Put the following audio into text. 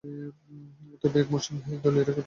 তবে, এক মৌসুমেই রাজ্য দলীয় রেকর্ড গড়েন।